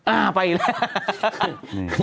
อ่าไปอีกแล้ว